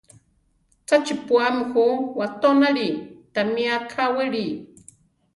¡Cha chiʼpúami ju watónali! Támi akáwili!